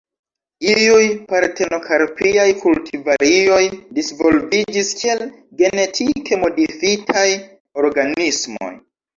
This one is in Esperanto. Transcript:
Iuj partenokarpiaj kulturvarioj disvolviĝis kiel genetike modifitaj organismoj.